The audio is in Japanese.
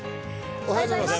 おはようございます。